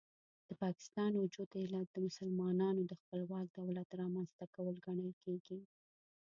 د پاکستان وجود علت د مسلمانانو د خپلواک دولت رامنځته کول ګڼل کېږي.